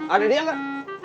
ada dia gak